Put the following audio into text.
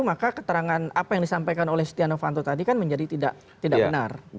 maka keterangan apa yang disampaikan oleh setia novanto tadi kan menjadi tidak benar